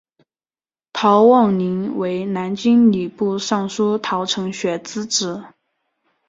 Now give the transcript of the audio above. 陶望龄为南京礼部尚书陶承学之子。